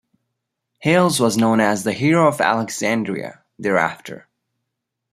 Hales was known as the "Hero of Alexandria" thereafter.